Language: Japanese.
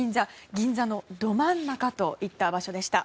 銀座のど真ん中といった場所でした。